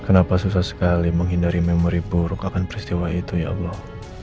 kenapa susah sekali menghindari memori buruk akan peristiwa itu ya allah